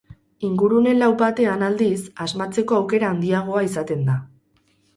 Ingurune lau batean, aldiz, asmatzeko aukera handiagoa izaten da.